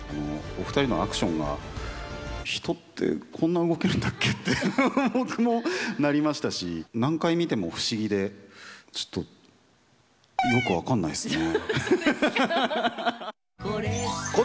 お２人のアクションが、人ってこんな動けるんだっけって僕もなりましたし、何回見ても不思議で、ちょっと、よく分からないですね。